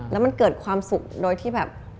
แล้วมันเกิดความสุขโดยที่แบบ